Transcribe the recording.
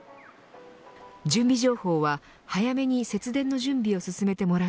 準備情報は早めに節電の準備を進めてもら